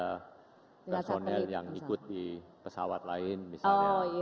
ada personel yang ikut di pesawat lain misalnya